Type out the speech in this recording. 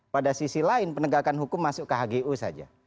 pada sisi lain penegakan hukum masuk ke hgu saja